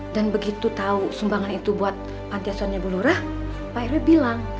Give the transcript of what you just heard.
dan begitu tahu sumbangan itu buat pantiasuannya bulurah pak rw bilang